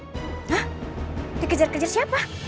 hah dikejar kejar siapa